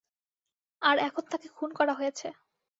আর এখন তাকে খুন করা হয়েছে।